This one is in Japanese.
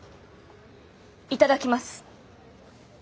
頂きます。